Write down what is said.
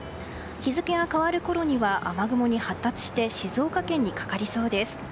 日付が変わるころには雨雲に発達して静岡県にかかりそうです。